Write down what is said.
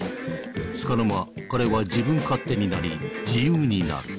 つかの間彼は自分勝手になり自由になる。